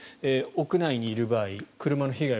屋内にいる場合、車の被害